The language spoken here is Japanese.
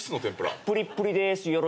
プリップリです。